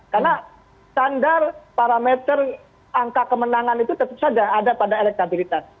karena standar parameter angka kemenangan itu tetap saja ada pada elektabilitas